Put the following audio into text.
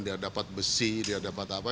dia dapat besi dia dapat apa